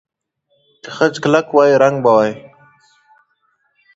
که خج کلک وای، رنګ به وای.